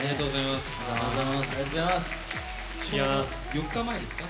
４日前ですか？